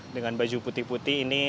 dengan baju putih putih ini